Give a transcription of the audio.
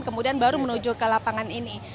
kemudian baru menuju ke lapangan ini